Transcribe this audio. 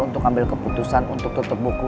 untuk ambil keputusan untuk tutup buku